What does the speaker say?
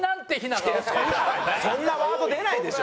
そんなワード出ないでしょ。